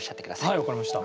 はい分かりました。